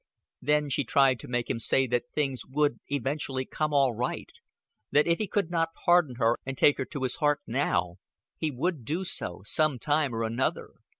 Then she tried to make him say that things would eventually come all right, that if he could not pardon her and take her to his heart now, he would do so some time or another.